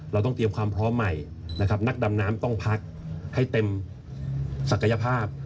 เราต้องเตรียมความพร้อมใหม่นะครับนักดำน้ำต้องพักให้เต็มศักยภาพ